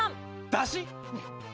だし。